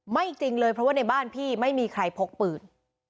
จริงเลยเพราะว่าในบ้านพี่ไม่มีใครพกปืน